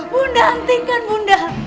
bunda hentikan bunda